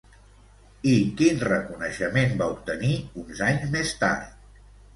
I quin reconeixement va obtenir uns anys més tard?